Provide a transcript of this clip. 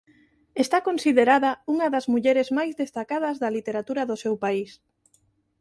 Está considerada unha das mulleres máis destacadas da literatura do seu país.